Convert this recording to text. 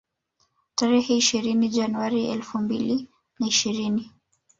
Tarehe ishirini Januari elfu mbili na ishirini